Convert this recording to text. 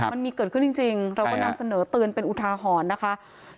มันมีเกิดขึ้นจริงเราก็นำเสนอเตือนเป็นอุทาหรณ์นะคะ